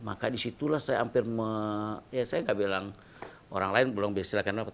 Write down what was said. maka disitulah saya hampir ya saya gak bilang orang lain belum bisa silahkan ramadhan